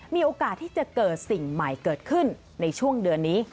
มีโอกาสที่จะเกิดสิ่งใหม่เกิดขึ้นในช่วงเดือนนี้